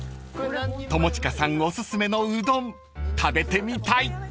［友近さんおすすめのうどん食べてみたい］